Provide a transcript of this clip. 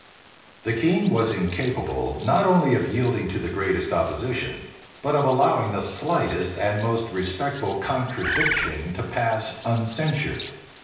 The king was incapable, not only of yielding to the greatest opposition, but of allowing the slightest and most respectful contradiction to pass uncensured.